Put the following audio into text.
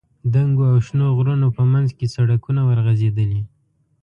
دنګو او شنو غرونو په منځ کې سړکونه ورغځېدلي.